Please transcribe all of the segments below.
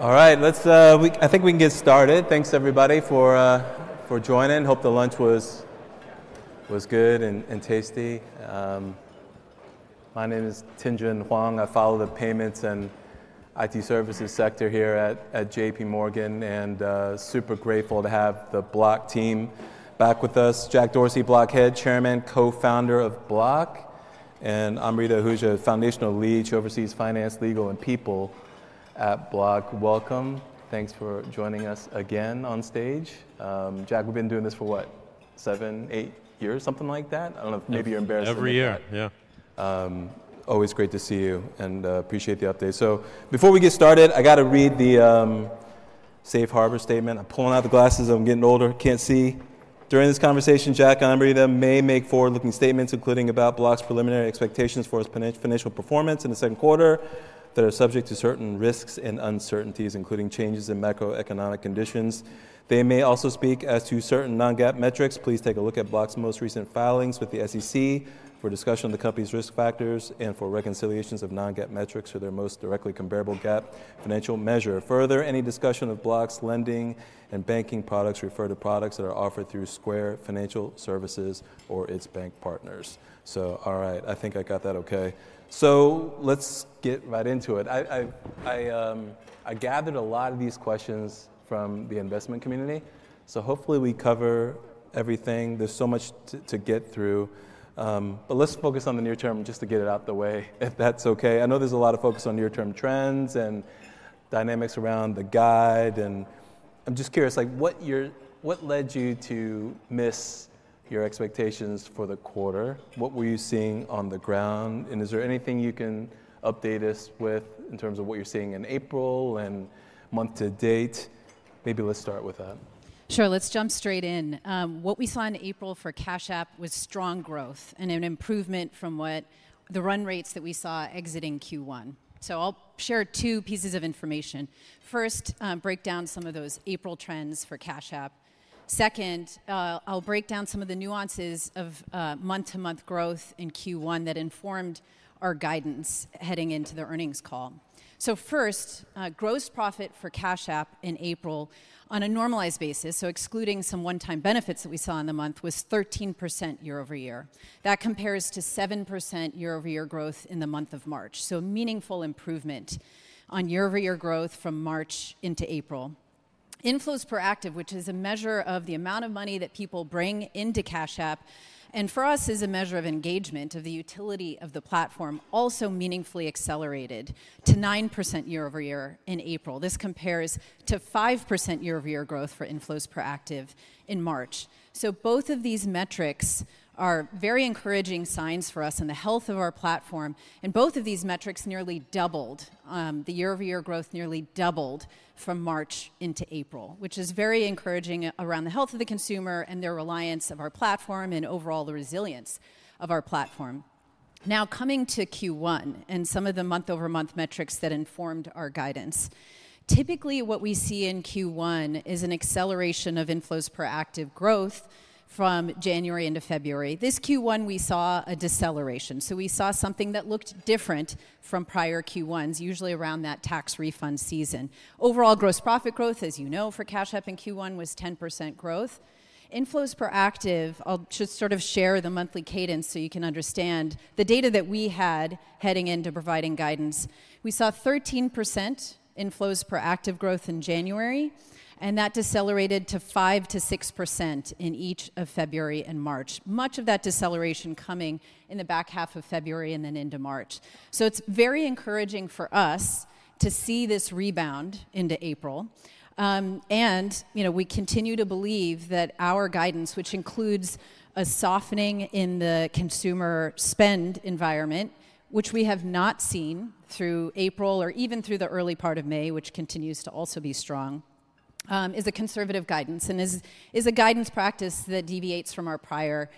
All right, let's—I think we can get started. Thanks, everybody, for joining. Hope the lunch was good and tasty. My name is Tien-Tsin Huang. I follow the payments and IT services sector here at JPMorgan and super grateful to have the Block team back with us. Jack Dorsey, Block Head, Chairman, Co-founder of Block, and Amrita Ahuja, Foundational Lead. She oversees finance, legal, and people at Block. Welcome. Thanks for joining us again on stage. Jack, we've been doing this for what? Seven, eight years? Something like that? I don't know. Maybe you're embarrassed. Every year. Yeah. Always great to see you and appreciate the update. Before we get started, I got to read the Safe Harbor statement. I'm pulling out the glasses. I'm getting older. Can't see. During this conversation, Jack and Amrita may make forward-looking statements, including about Block's preliminary expectations for its financial performance in the second quarter that are subject to certain risks and uncertainties, including changes in macroeconomic conditions. They may also speak as to certain non-GAAP metrics. Please take a look at Block's most recent filings with the SEC for discussion of the company's risk factors and for reconciliations of non-GAAP metrics for their most directly comparable GAAP financial measure. Further, any discussion of Block's lending and banking products refer to products that are offered through Square Financial Services or its bank partners. All right, I think I got that okay. Let's get right into it. I gathered a lot of these questions from the investment community, so hopefully we cover everything. There's so much to get through, but let's focus on the near term just to get it out of the way, if that's okay. I know there's a lot of focus on near-term trends and dynamics around the guide, and I'm just curious, what led you to miss your expectations for the quarter? What were you seeing on the ground? Is there anything you can update us with in terms of what you're seeing in April and month to date? Maybe let's start with that. Sure. Let's jump straight in. What we saw in April for Cash App was strong growth and an improvement from the run rates that we saw exiting Q1. I'll share two pieces of information. 1st, break down some of those April trends for Cash App. 2nd, I'll break down some of the nuances of month-to-month growth in Q1 that informed our guidance heading into the earnings call. 1st, gross profit for Cash App in April on a normalized basis, excluding some one-time benefits that we saw in the month, was 13% year-over-year. That compares to 7% year-over-year growth in the month of March. Meaningful improvement on year-over-year growth from March into April. Inflows per active, which is a measure of the amount of money that people bring into Cash App, and for us is a measure of engagement of the utility of the platform, also meaningfully accelerated to 9% year-over-year in April. This compares to 5% year-over-year growth for inflows per active in March. Both of these metrics are very encouraging signs for us and the health of our platform. Both of these metrics nearly doubled the year-over-year growth, nearly doubled from March into April, which is very encouraging around the health of the consumer and their reliance of our platform and overall the resilience of our platform. Now coming to Q1, and some of the month-over-month metrics that informed our guidance. Typically, what we see in Q1 is an acceleration of inflows per active growth from January into February. This Q1, we saw a deceleration. We saw something that looked different from prior Q1s, usually around that tax refund season. Overall gross profit growth, as you know, for Cash App in Q1 was 10% growth. Inflows per active, I'll just sort of share the monthly cadence so you can understand the data that we had heading into providing guidance. We saw 13% inflows per active growth in January, and that decelerated to 5%-6% in each of February and March. Much of that deceleration coming in the back half of February, and then into March. It is very encouraging for us to see this rebound into April. We continue to believe that our guidance, which includes a softening in the consumer spend environment, which we have not seen through April or even through the early part of May, which continues to also be strong, is a conservative guidance, and is a guidance practice that deviates from our prior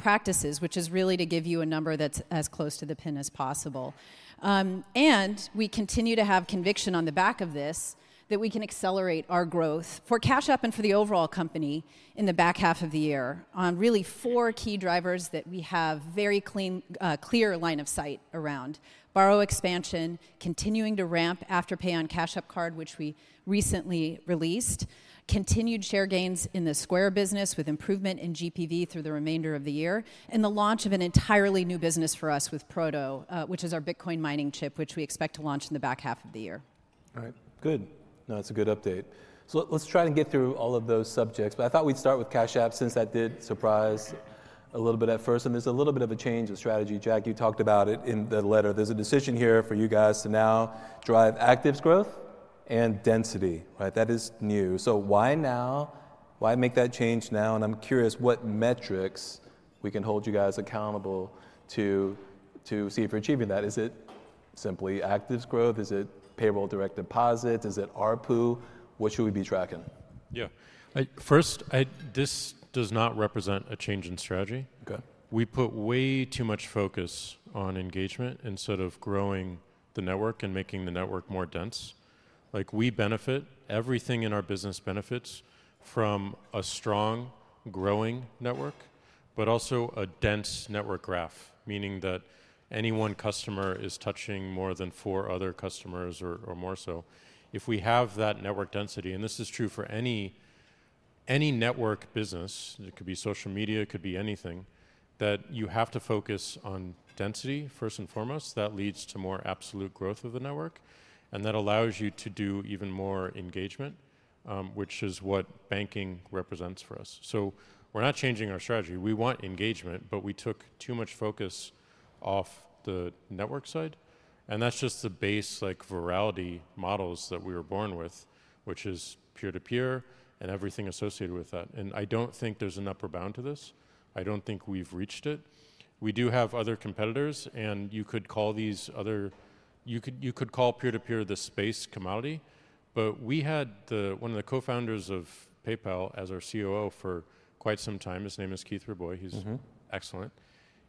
practices, which is really to give you a number that's as close to the pin as possible. We continue to have conviction on the back of this that we can accelerate our growth for Cash App and for the overall company in the back half of the year on really four key drivers that we have very clear line of sight around: Borrow expansion, continuing to ramp Afterpay on Cash App Card, which we recently released, continued share gains in the Square business with improvement in GPV through the remainder of the year, and the launch of an entirely new business for us with Proto, which is our Bitcoin mining chip, which we expect to launch in the back half of the year. All right. Good. No, that's a good update. Let's try get through all of those subjects, but I thought we'd start with Cash App since that did surprise a little bit at 1st. There's a little bit of a change of strategy. Jack, you talked about it in the letter. There's a decision here for you guys to now drive active growth and density. That is new. Why now? Why make that change now? I'm curious what metrics we can hold you guys accountable to see if you're achieving that. Is it simply active growth? Is it payroll direct deposits? Is it ARPU? What should we be tracking? Yeah. 1st, this does not represent a change in strategy. We put way too much focus on engagement instead of growing the network and making the network more dense. We benefit, everything in our business benefits from a strong, growing network, but also a dense network graph, meaning that any one customer is touching more than four other customers or more. If we have that network density, and this is true for any network business, it could be social media, it could be anything, that you have to focus on density 1st and foremost. That leads to more absolute growth of the network, and that allows you to do even more engagement, which is what banking represents for us. We are not changing our strategy. We want engagement, but we took too much focus off the network side. That's just the base virality models that we were born with, which is peer-to-peer, and everything associated with that. I don't think there's an upper bound to this. I don't think we've reached it. We do have other competitors, and you could call these other—you could call peer-to-peer the space commodity. We had one of the Co-founders of PayPal as our COO for quite some time. His name is Keith Raboy. He's excellent.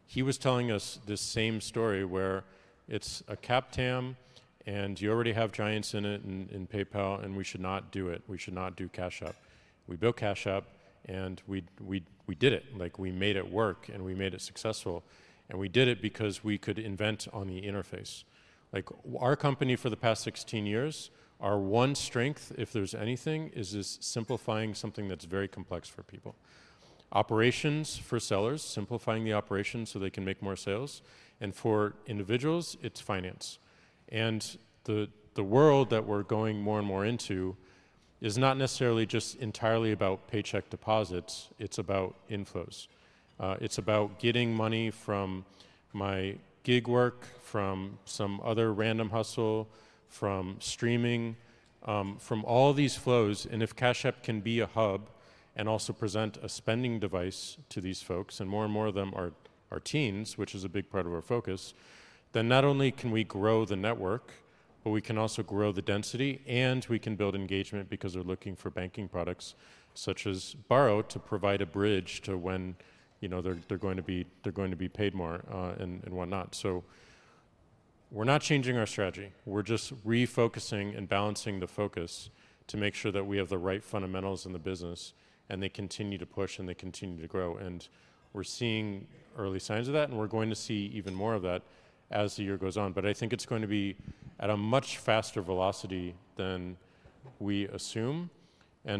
He was telling us this same story where it's a cap tam, and you already have giants in it in PayPal, and we should not do it. We should not do Cash App. We built Cash App, and we did it. We made it work, and we made it successful. We did it because we could invent on the interface. Our company for the past 16 years, our one strength, if there's anything, is simplifying something that's very complex for people. Operations for sellers, simplifying the operations so they can make more sales. For individuals, it's finance. The world that we're going more and more into is not necessarily just entirely about paycheck deposits. It's about inflows. It's about getting money from my gig work, from some other random hustle, from streaming, from all these flows. If Cash App can be a hub, and also present a spending device to these folks, and more and more of them are teens, which is a big part of our focus, then not only can we grow the network, but we can also grow the density, and we can build engagement because we're looking for banking products such as Borrow to provide a bridge to when they're going to be paid more and whatnot. We are not changing our strategy. We are just refocusing and balancing the focus to make sure that we have the right fundamentals in the business, and they continue to push, and they continue to grow. We are seeing early signs of that, and we are going to see even more of that as the year goes on. I think it is going to be at a much faster velocity than we assume.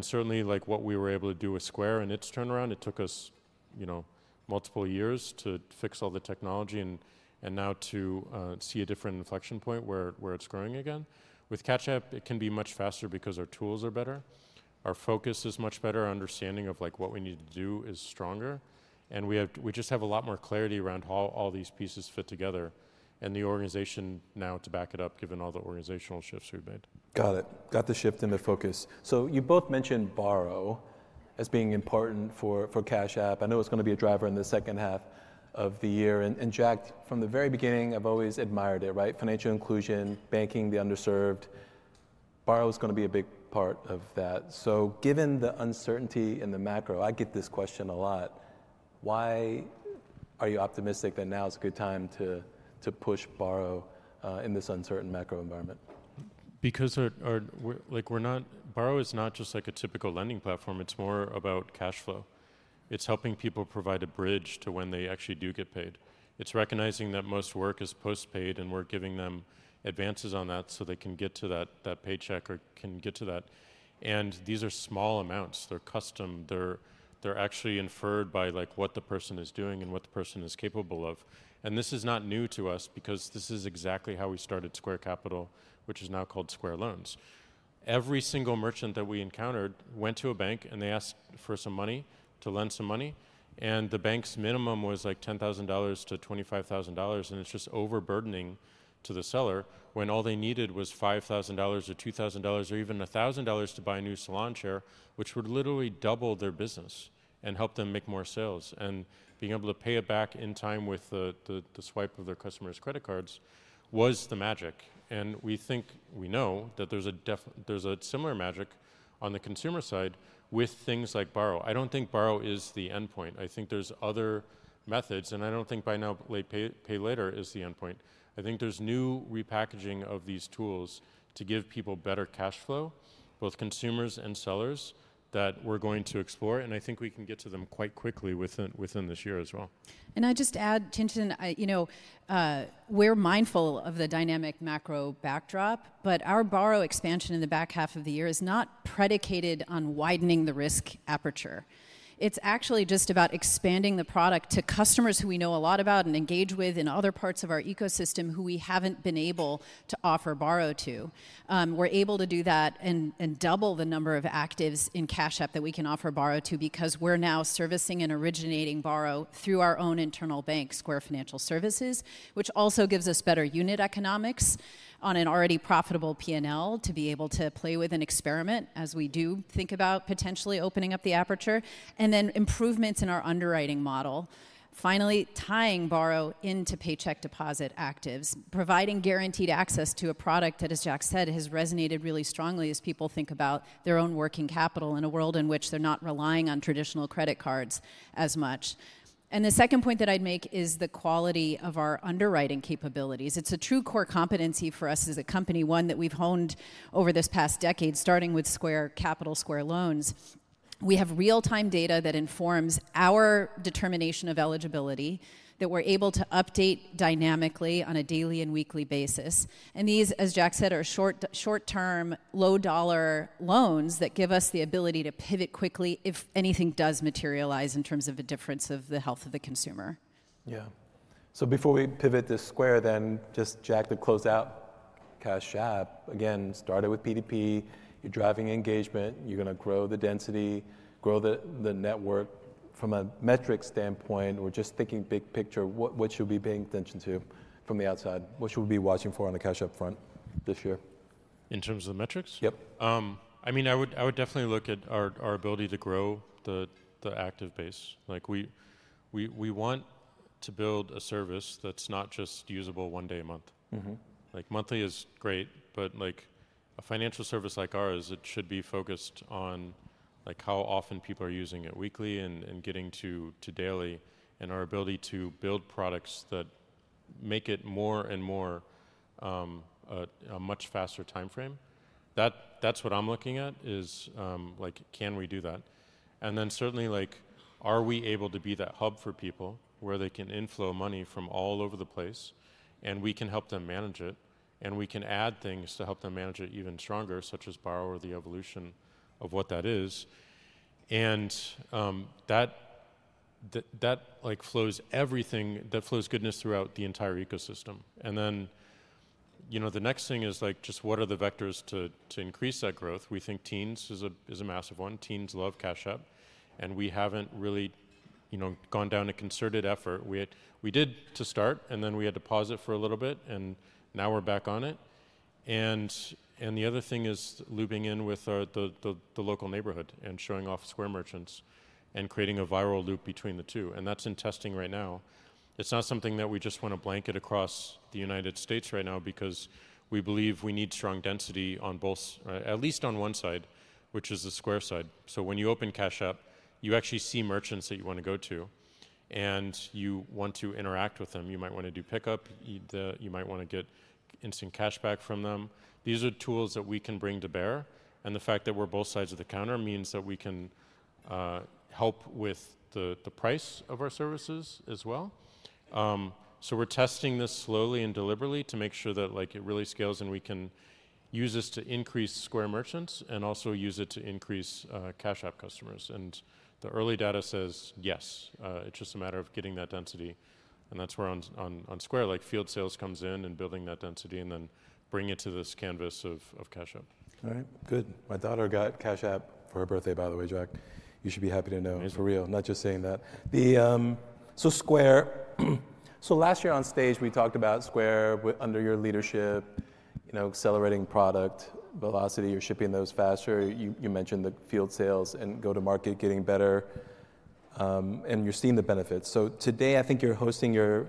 Certainly, what we were able to do with Square and its turnaround, it took us multiple years to fix all the technology and now to see a different inflection point where it's growing again. With Cash App, it can be much faster because our tools are better. Our focus is much better. Our understanding of what we need to do is stronger. We just have a lot more clarity around how all these pieces fit together, and the organization now to back it up, given all the organizational shifts we've made. Got it. Got the shift in the focus. You both mentioned Borrow as being important for Cash App. I know it's going to be a driver in the 2nd half of the year. Jack, from the very beginning, I've always admired it, right? Financial inclusion, banking, the underserved. Borrow is going to be a big part of that. Given the uncertainty in the macro, I get this question a lot. Why are you optimistic that now is a good time to push Borrow in this uncertain macro environment? Because Borrow is not just like a typical lending platform. It is more about cash flow. It is helping people provide a bridge to when they actually do get paid. It is recognizing that most work is postpaid, and we are giving them advances on that so they can get to that paycheck or can get to that. These are small amounts. They are custom. They are actually inferred by what the person is doing and what the person is capable of. This is not new to us because this is exactly how we started Square Capital, which is now called Square Loans. Every single merchant that we encountered went to a bank, and they asked for some money to lend some money. The bank's minimum was like $10,000-$25,000. It is just overburdening to the seller when all they needed was $5,000 or $2,000 or even $1,000 to buy a new salon chair, which would literally double their business, and help them make more sales. Being able to pay it back in time with the swipe of their customer's credit cards was the magic. We think we know that there is a similar magic on the consumer side with things like Borrow. I do not think Borrow is the endpoint. I think there are other methods, and I do not think buy now, pay later is the endpoint. I think there is new repackaging of these tools to give people better cash flow, both consumers and sellers, that we are going to explore. I think we can get to them quite quickly within this year as well. I just add, Tien-Tsin, we're mindful of the dynamic macro backdrop, but our Borrow expansion in the back half of the year is not predicated on widening the risk aperture. It's actually just about expanding the product to customers who we know a lot about and engage with in other parts of our ecosystem who we haven't been able to offer Borrow to. We're able to do that and double the number of actives in Cash App that we can offer Borrow to, because we're now servicing and originating Borrow through our own internal bank, Square Financial Services, which also gives us better unit economics on an already profitable P&L to be able to play with and experiment as we do think about potentially opening up the aperture, and then improvements in our underwriting model. Finally, tying Borrow into paycheck deposit actives, providing guaranteed access to a product that, as Jack said, has resonated really strongly as people think about their own working capital in a world in which they're not relying on traditional credit cards as much. The 1st point that I'd make is the quality of our underwriting capabilities. It's a true core competency for us as a company, one that we've honed over this past decade, starting with Square Capital, Square Loans. We have real-time data that informs our determination of eligibility that we're able to update dynamically on a daily and weekly basis. These, as Jack said, are short-term, low-dollar loans that give us the ability to pivot quickly if anything does materialize in terms of the difference of the health of the consumer. Yeah. So before we pivot to Square then, just Jack, to close out Cash App. Again, started with PDP. You're driving engagement. You're going to grow the density, grow the network. From a metric standpoint, we're just thinking big picture, what should we pay attention to from the outside? What should we be watching for on the Cash App front this year? In terms of the metrics? Yep. I mean, I would definitely look at our ability to grow the active base. We want to build a service that's not just usable one day a month. Monthly is great, but a financial service like ours, it should be focused on how often people are using it weekly and getting to daily and our ability to build products that make it more and more a much faster time frame. That's what I'm looking at is, can we do that? Certainly, are we able to be that hub for people where they can inflow money from all over the place, and we can help them manage it, and we can add things to help them manage it even stronger, such as Borrow or the evolution of what that is. That flows everything that flows goodness throughout the entire ecosystem. The next thing is just what are the vectors to increase that growth? We think teens is a massive one. Teens love Cash App. We have not really gone down a concerted effort. We did to start, and then we had to pause it for a little bit, and now we are back on it. The other thing is looping in with the local neighborhood and showing off Square merchants and creating a viral loop between the two. That is in testing right now. It is not something that we just want to blanket across the United States right now because we believe we need strong density on both, at least on one side, which is the Square side. When you open Cash App, you actually see merchants that you want to go to, and you want to interact with them. You might want to do pickup. You might want to get instant cash back from them. These are tools that we can bring to bear. The fact that we're both sides of the counter means that we can help with the price of our services as well. We are testing this slowly and deliberately to make sure that it really scales and we can use this to increase Square merchants and also use it to increase Cash App customers. The early data says yes. It is just a matter of getting that density. That is where on Square, field sales comes in and building that density and then bringing it to this canvas of Cash App. All right. Good. My daughter got Cash App for her birthday, by the way, Jack. You should be happy to know. It's for real. Not just saying that. Last year on stage, we talked about Square under your leadership, accelerating product velocity. You're shipping those faster. You mentioned the field sales and go-to-market getting better. You're seeing the benefits. Today, I think you're hosting your,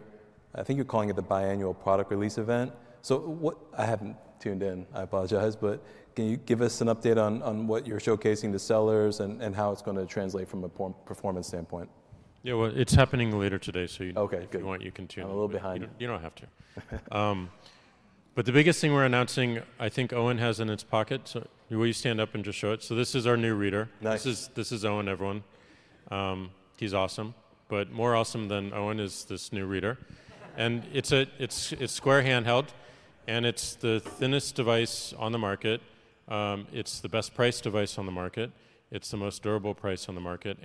I think you're calling it the biannual product release event. I haven't tuned in. I apologize. Can you give us an update on what you're showcasing to sellers and how it's going to translate from a performance standpoint? Yeah, well, it's happening later today, so if you want you can tune in. Okay, good. I'm a little behind. You don't have to. The biggest thing we're announcing, I think Owen has in his pocket. Will you stand up and just show it? This is our new reader. Nice. This is Owen, everyone. He's awesome. More awesome than Owen is this new reader. It is Square Handheld, and it is the thinnest device on the market. It is the best priced device on the market. It is the most durable priced on the market.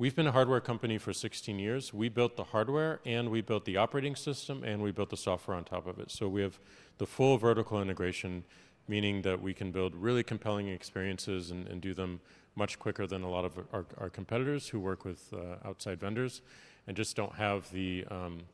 We have been a hardware company for 16 years. We built the hardware, and we built the operating system, and we built the software on top of it. We have the full vertical integration, meaning that we can build really compelling experiences and do them much quicker than a lot of our competitors who work with outside vendors and just do not have the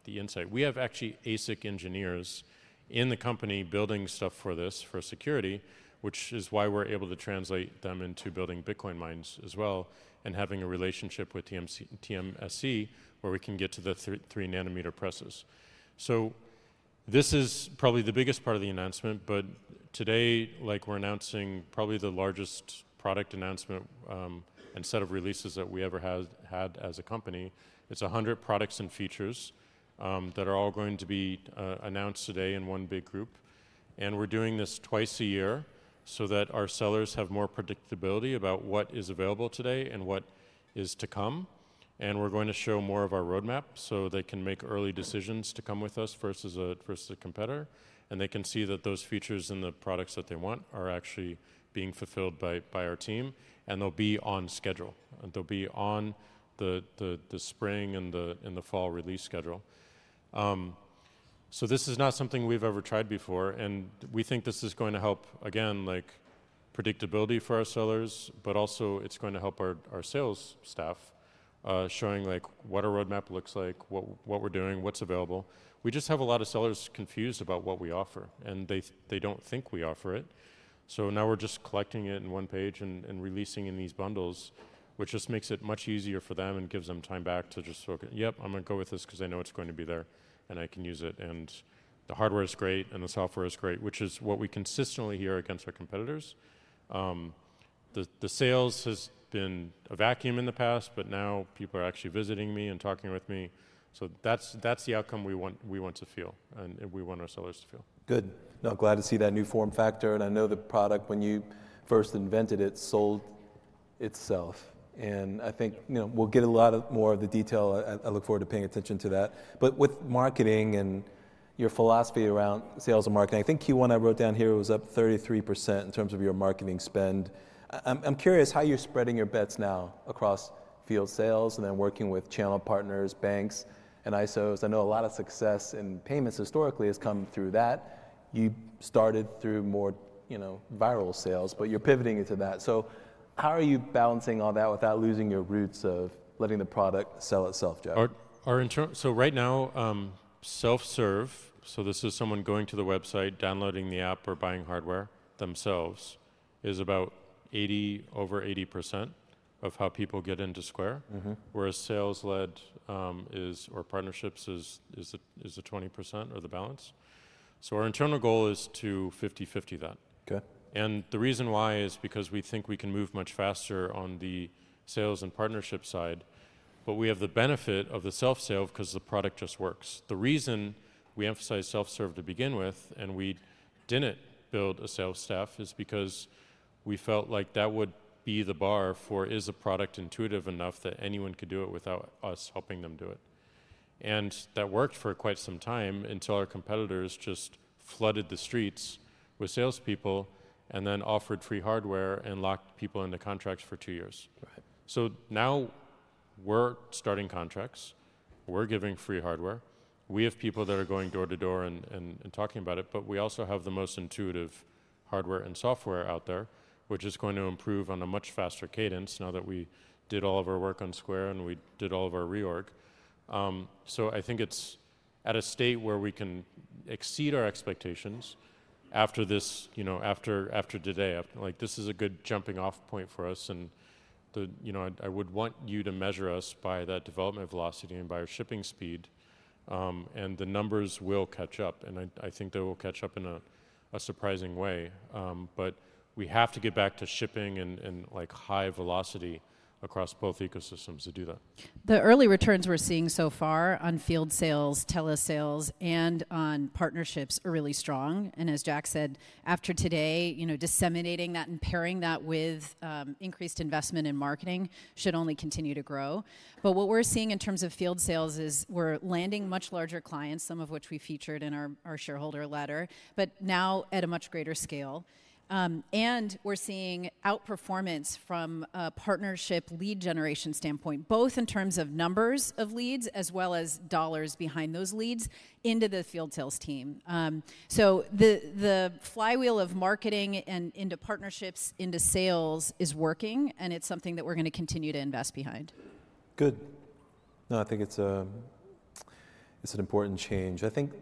insight. We have actually ASIC engineers in the company building stuff for this for security, which is why we are able to translate them into building Bitcoin mines as well and having a relationship with TSMC where we can get to the three-nanometer presses. This is probably the biggest part of the announcement, but today, we're announcing probably the largest product announcement and set of releases that we ever had as a company. It's 100 products and features that are all going to be announced today in one big group. We're doing this twice a year so that our sellers have more predictability about what is available today and what is to come. We're going to show more of our roadmap so they can make early decisions to come with us versus a competitor. They can see that those features in the products that they want are actually being fulfilled by our team. They'll be on schedule. They'll be on the spring and the fall release schedule. This is not something we've ever tried before. We think this is going to help, again, predictability for our sellers, but also it's going to help our sales staff showing what our roadmap looks like, what we're doing, what's available. We just have a lot of sellers confused about what we offer, and they don't think we offer it. Now we're just collecting it in one page and releasing in these bundles, which just makes it much easier for them and gives them time back to just, yep, I'm going to go with this because I know it's going to be there and I can use it. The hardware is great and the software is great, which is what we consistently hear against our competitors. The sales has been a vacuum in the past, but now people are actually visiting me and talking with me. That's the outcome we want to feel and we want our sellers to feel. Good. Now, glad to see that new form factor. And I know the product, when you 1st invented it, sold itself. I think we'll get a lot more of the detail. I look forward to paying attention to that. With marketing and your philosophy around sales and marketing, I think Q1 I wrote down here was up 33% in terms of your marketing spend. I'm curious how you're spreading your bets now across field sales and then working with channel partners, banks, and ISOs. I know a lot of success in payments historically has come through that. You started through more viral sales, but you're pivoting into that. How are you balancing all that without losing your roots of letting the product sell itself, Jack? Right now, self-serve, so this is someone going to the website, downloading the app or buying hardware themselves, is about over 80% of how people get into Square, whereas sales-led or partnerships is 20% or the balance. Our internal goal is to 50/50 that. The reason why is because we think we can move much faster on the sales and partnership side, but we have the benefit of the self-sale because the product just works. The reason we emphasize self-serve to begin with and we did not build a sales staff is because we felt like that would be the bar for, is the product intuitive enough that anyone could do it without us helping them do it? That worked for quite some time until our competitors just flooded the streets with salespeople and then offered free hardware and locked people into contracts for two years. Now we're starting contracts. We're giving free hardware. We have people that are going door to door and talking about it, but we also have the most intuitive hardware and software out there, which is going to improve on a much faster cadence now that we did all of our work on Square and we did all of our reorg. I think it's at a state where we can exceed our expectations after today. This is a good jumping-off point for us. I would want you to measure us by that development velocity and by our shipping speed. The numbers will catch up, I think they will catch up in a surprising way. We have to get back to shipping and high velocity across both ecosystems to do that. The early returns we're seeing so far on field sales, tele sales, and on partnerships are really strong. As Jack said, after today, disseminating that and pairing that with increased investment in marketing, should only continue to grow. What we're seeing in terms of field sales is we're landing much larger clients, some of which we featured in our shareholder letter, but now at a much greater scale. We're seeing outperformance from a partnership lead generation standpoint, both in terms of numbers of leads as well as dollars behind those leads into the field sales team. The flywheel of marketing and into partnerships, into sales is working, and it's something that we're going to continue to invest behind. Good. No, I think it's an important change. I think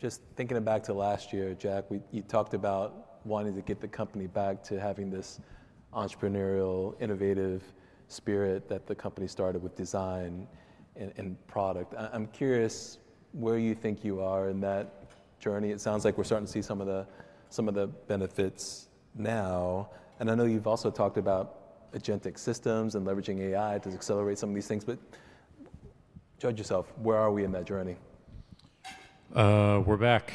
just thinking back to last year, Jack, you talked about wanting to get the company back to having this entrepreneurial, innovative spirit that the company started with design and product. I'm curious where you think you are in that journey. It sounds like we're starting to see some of the benefits now. I know you've also talked about agentic systems and leveraging AI to accelerate some of these things. Judge yourself. Where are we in that journey? We're back.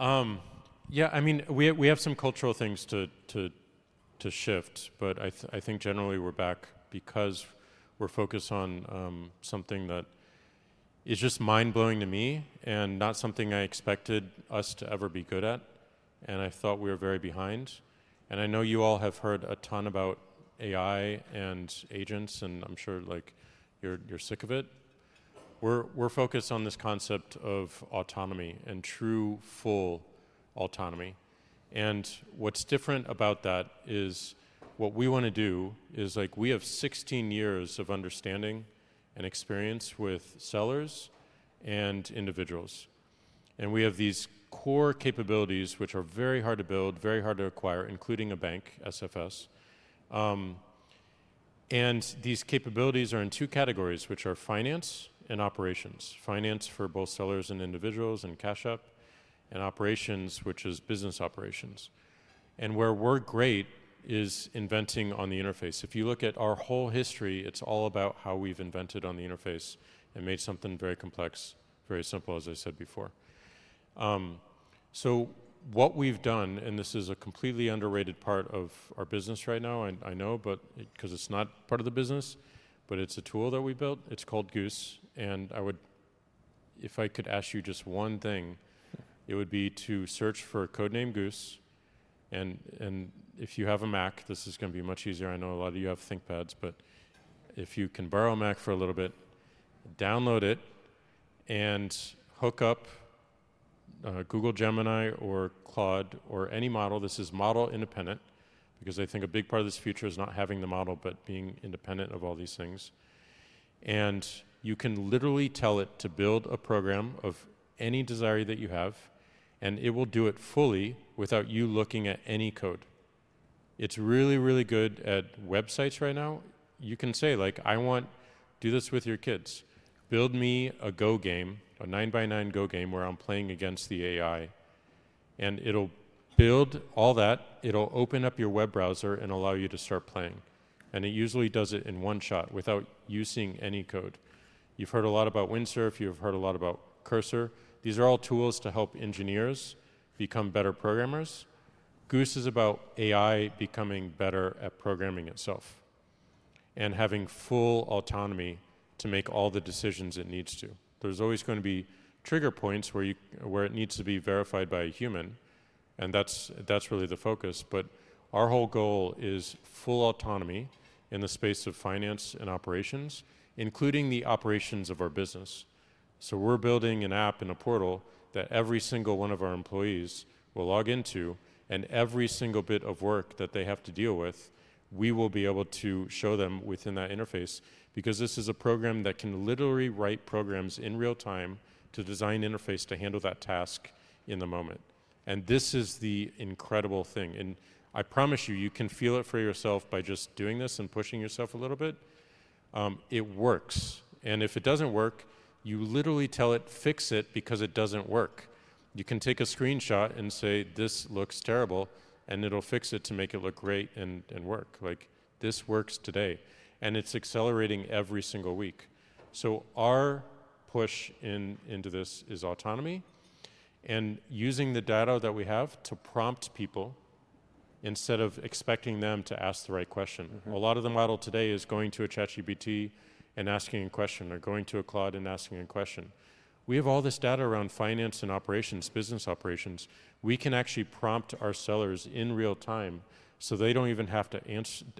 Yeah, I mean, we have some cultural things to shift, but I think generally we're back because we're focused on something that is just mind-blowing to me and not something I expected us to ever be good at. I thought we were very behind. I know you all have heard a ton about AI and agents, and I'm sure you're sick of it. We're focused on this concept of autonomy and true full autonomy. What's different about that is what we want to do is we have 16 years of understanding and experience with sellers and individuals. We have these core capabilities, which are very hard to build, very hard to acquire, including a bank, SFS. These capabilities are in two categories, which are finance and operations. Finance for both sellers and individuals and Cash App and operations, which is business operations. Where we're great is inventing on the interface. If you look at our whole history, it's all about how we've invented on the interface and made something very complex, very simple, as I said before. What we've done, and this is a completely underrated part of our business right now, I know, because it's not part of the business, but it's a tool that we built. It's called goose. If I could ask you just one thing, it would be to search for code name goose. If you have a Mac, this is going to be much easier. I know a lot of you have ThinkPads, but if you can borrow a Mac for a little bit, download it and hook up Google Gemini or Claude or any model. This is model independent because I think a big part of this future is not having the model, but being independent of all these things. You can literally tell it to build a program of any desire that you have, and it will do it fully without you looking at any code. It's really, really good at websites right now. You can say, like, I want to do this with your kids. Build me a Go game, a 9x9 Go game where I'm playing against the AI. It will build all that. It will open up your web browser and allow you to start playing. It usually does it in one shot without using any code. You've heard a lot about Windsurf. You've heard a lot about Cursor. These are all tools to help engineers become better programmers. Goose is about AI becoming better at programming itself and having full autonomy to make all the decisions it needs to. There is always going to be trigger points where it needs to be verified by a human, and that is really the focus. Our whole goal is full autonomy in the space of finance and operations, including the operations of our business. We are building an app and a portal that every single one of our employees will log into. Every single bit of work that they have to deal with, we will be able to show them within that interface because this is a program that can literally write programs in real time to design an interface to handle that task in the moment. This is the incredible thing. I promise you, you can feel it for yourself by just doing this and pushing yourself a little bit. It works. If it does not work, you literally tell it, fix it because it does not work. You can take a screenshot and say, this looks terrible, and it will fix it to make it look great and work. This works today. It is accelerating every single week. Our push into this is autonomy and using the data that we have to prompt people instead of expecting them to ask the right question. A lot of the model today is going to a ChatGPT and asking a question or going to a Claude and asking a question. We have all this data around finance and operations, business operations. We can actually prompt our sellers in real time so they do not even have to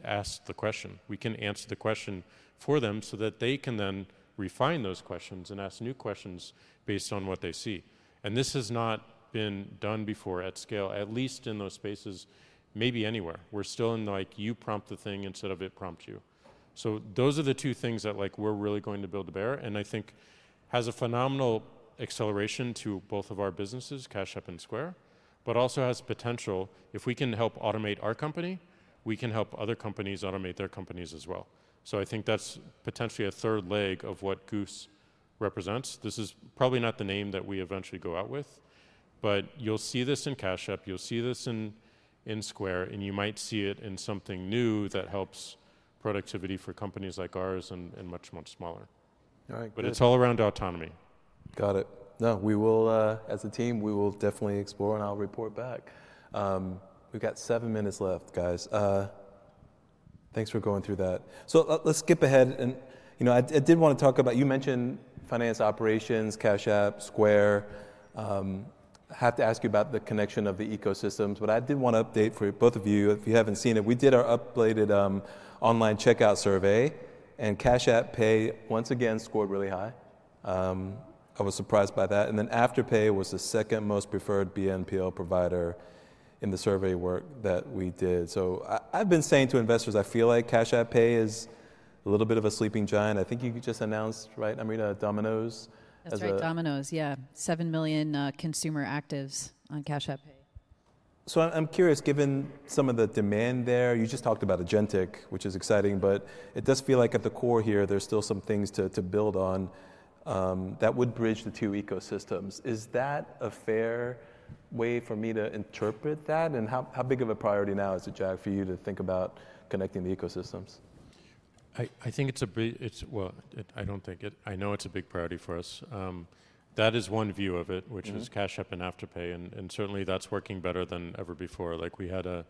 ask the question. We can answer the question for them so that they can then refine those questions and ask new questions based on what they see. This has not been done before at scale, at least in those spaces, maybe anywhere. We're still in like you prompt the thing instead of it prompt you. Those are the two things that we're really going to build to bear. I think it has a phenomenal acceleration to both of our businesses, Cash App and Square, but also has potential. If we can help automate our company, we can help other companies automate their companies as well. I think that's potentially a 3rd leg of what goose represents. This is probably not the name that we eventually go out with, but you'll see this in Cash App. You'll see this in Square, and you might see it in something new that helps productivity for companies like ours and much, much smaller. It's all around autonomy. Got it. No, as a team, we will definitely explore, and I'll report back. We've got seven minutes left, guys. Thanks for going through that. Let's skip ahead. I did want to talk about you mentioned finance operations, Cash App, Square. I have to ask you about the connection of the ecosystems, but I did want to update for both of you, if you haven't seen it. We did our updated online checkout survey, and Cash App Pay once again scored really high. I was surprised by that. Afterpay was the 2nd most preferred BNPL provider in the survey work that we did. I've been saying to investors, I feel like Cash App Pay is a little bit of a sleeping giant. I think you just announced, right, Amrita, Domino's? That's right, Domino's, yeah. 7 million consumer actives on Cash App Pay. I'm curious, given some of the demand there, you just talked about agentic, which is exciting, but it does feel like at the core here, there's still some things to build on that would bridge the two ecosystems. Is that a fair way for me to interpret that? How big of a priority now is it, Jack, for you to think about connecting the ecosystems? I think it's a, well, I don't think it. I know it's a big priority for us. That is one view of it, which is Cash App and Afterpay. And certainly, that's working better than ever before. We had a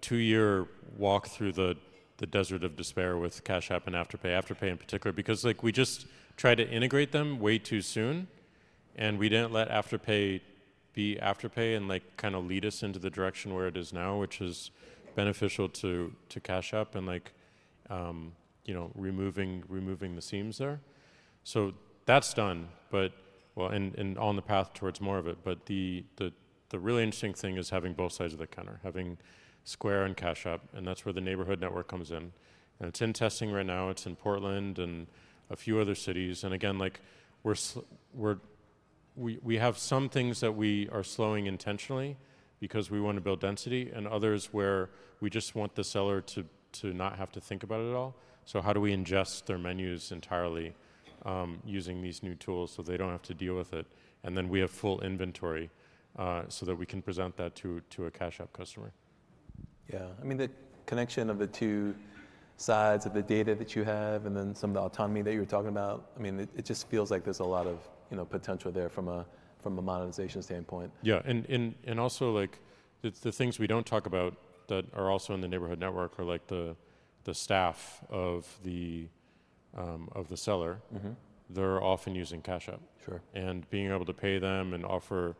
two-year walk through the desert of despair with Cash App and Afterpay, Afterpay in particular, because we just tried to integrate them way too soon. And we didn't let Afterpay be Afterpay and kind of lead us into the direction where it is now, which is beneficial to Cash App and removing the seams there. So that's done, and on the path towards more of it. But the really interesting thing is having both sides of the counter, having Square and Cash App. And that's where the neighborhood network comes in. And it's in testing right now. It's in Portland and a few other cities. We have some things that we are slowing intentionally because we want to build density and others where we just want the seller to not have to think about it at all. How do we ingest their menus entirely using these new tools so they do not have to deal with it? We have full inventory so that we can present that to a Cash App customer. Yeah. I mean, the connection of the two sides of the data that you have, and then some of the autonomy that you're talking about, I mean, it just feels like there's a lot of potential there from a modernization standpoint. Yeah. Also, the things we do not talk about that are also in the neighborhood network are the staff of the seller. They are often using Cash App. Being able to pay them and offer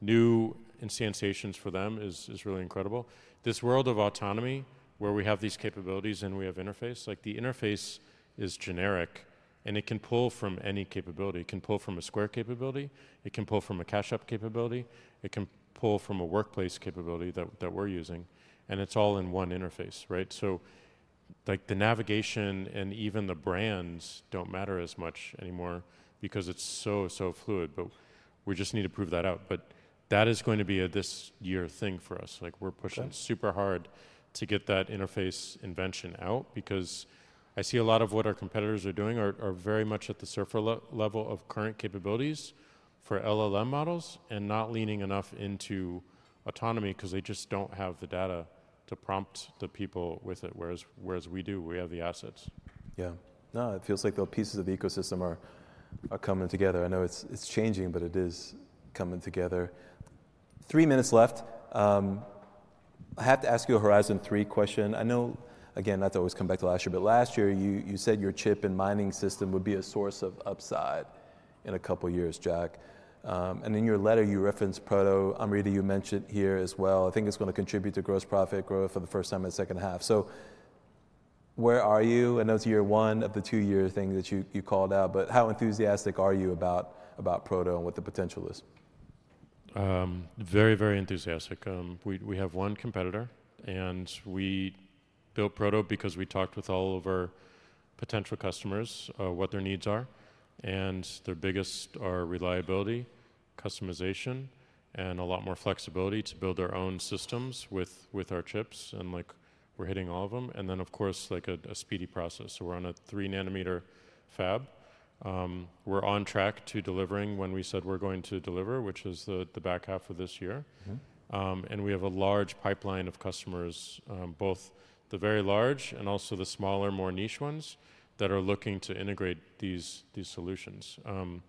new instantiations for them is really incredible. This world of autonomy where we have these capabilities and we have interface, the interface is generic, and it can pull from any capability. It can pull from a Square capability. It can pull from a Cash App capability. It can pull from a workplace capability that we are using. It is all in one interface, right? The navigation and even the brands do not matter as much anymore because it is so, so fluid. We just need to prove that out. That is going to be a this year thing for us. We're pushing super hard to get that interface invention out because I see a lot of what our competitors are doing are very much at the surfer level of current capabilities for LLM models and not leaning enough into autonomy because they just don't have the data to prompt the people with it, whereas we do. We have the assets. Yeah. No, it feels like the pieces of the ecosystem are coming together. I know it's changing, but it is coming together. Three minutes left. I have to ask you a Horizon three question. I know, again, not to always come back to last year, but last year, you said your chip and mining system would be a source of upside in a couple of years, Jack. And in your letter, you referenced Proto. Amrita, you mentioned here as well. I think it's going to contribute to gross profit growth for the 1st time in the 2nd half. So where are you? I know it's year one of the two-year thing that you called out, but how enthusiastic are you about Proto and what the potential is? Very, very enthusiastic. We have one competitor, and we built Proto because we talked with all of our potential customers what their needs are. And their biggest are reliability, customization, and a lot more flexibility to build their own systems with our chips. And we're hitting all of them. Of course, a speedy process. We are on a three-nanometer fab. We're on track to delivering when we said we're going to deliver, which is the back half of this year. We have a large pipeline of customers, both the very large and also the smaller, more niche ones that are looking to integrate these solutions. I'm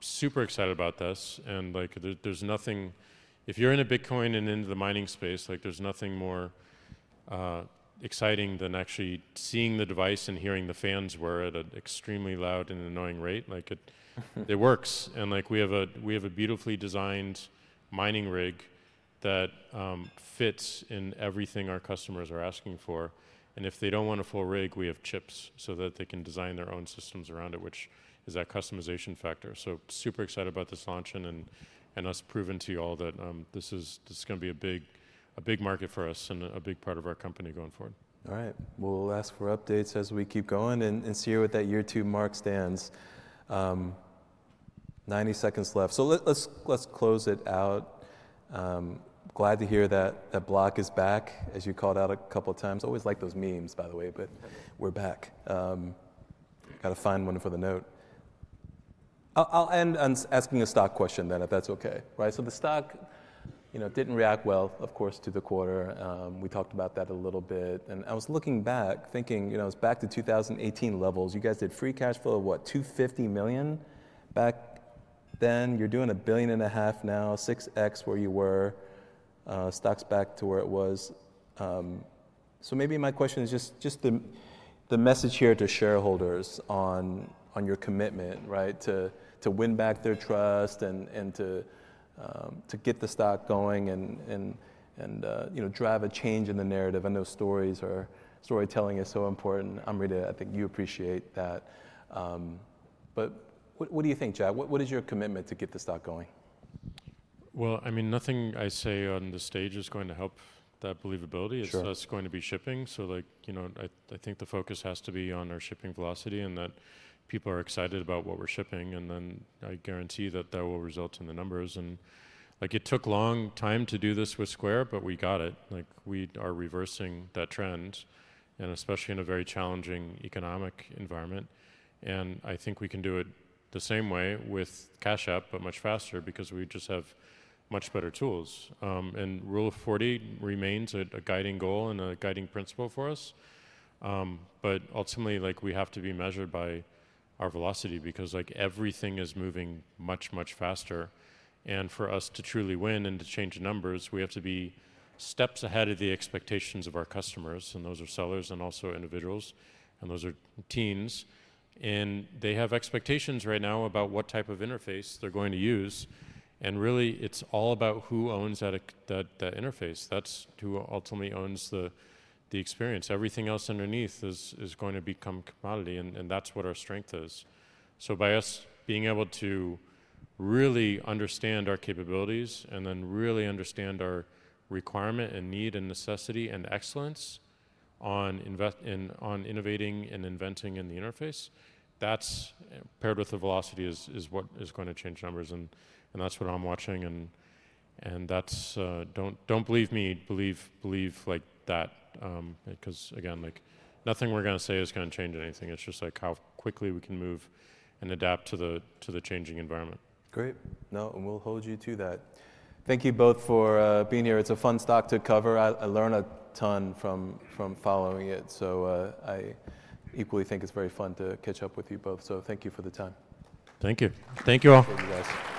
super excited about this. If you're into Bitcoin and into the mining space, there's nothing more exciting than actually seeing the device and hearing the fans where, at an extremely loud and annoying rate, it works. We have a beautifully designed mining rig that fits in everything our customers are asking for. If they do not want a full rig, we have chips so that they can design their own systems around it, which is that customization factor. Super excited about this launch and us proving to you all that this is going to be a big market for us and a big part of our company going forward. All right. We'll ask for updates as we keep going and see where that year two mark stands. Ninety seconds left. So let's close it out. Glad to hear that Block is back, as you called out a couple of times. Always like those memes, by the way, but we're back. Got to find one for the note. I'll end on asking a stock question then, if that's okay. So the stock didn't react well, of course, to the quarter. We talked about that a little bit. And I was looking back, thinking, it was back to 2018 levels. You guys did free cash flow, what, $250 million back then? You're doing $1.5 billion now, 6X where you were. Stock's back to where it was. Maybe my question is just the message here to shareholders on your commitment to win back their trust and to get the stock going and drive a change in the narrative. I know storytelling is so important. Amrita, I think you appreciate that. What do you think, Jack? What is your commitment to get the stock going? I mean, nothing I say on the stage is going to help that believability. It is us going to be shipping. I think the focus has to be on our shipping velocity and that people are excited about what we are shipping. I guarantee that that will result in the numbers. It took a long time to do this with Square, but we got it. We are reversing that trend, especially in a very challenging economic environment. I think we can do it the same way with Cash App, but much faster because we just have much better tools. Rule of 40 remains a guiding goal and a guiding principle for us. Ultimately, we have to be measured by our velocity because everything is moving much, much faster. For us to truly win and to change the numbers, we have to be steps ahead of the expectations of our customers. Those are sellers and also individuals. Those are teens. They have expectations right now about what type of interface they're going to use. Really, it's all about who owns that interface. That's who ultimately owns the experience. Everything else underneath is going to become commodity. That's what our strength is. By us being able to really understand our capabilities and then really understand our requirement and need and necessity and excellence on innovating and inventing in the interface, that's paired with the velocity, is what is going to change numbers. That's what I'm watching. Don't believe me, believe that because, again, nothing we're going to say is going to change anything. It's just how quickly we can move and adapt to the changing environment. Great. No, and we'll hold you to that. Thank you both for being here. It's a fun stock to cover. I learned a ton from following it. I equally think it's very fun to catch up with you both. Thank you for the time. Thank you. Thank you all. Thank you guys.